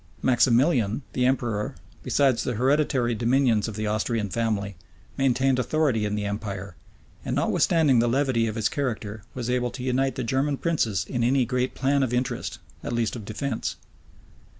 Maximilian, the emperor, besides the hereditary dominions of the Austrian family, maintained authority in the empire, and, notwithstanding the levity of his character, was able to unite the German princes in any great plan of interest, at least of defence.